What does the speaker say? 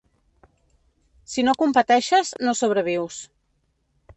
Si no competeixes, no sobrevius.